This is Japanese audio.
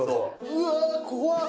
うわ怖っ！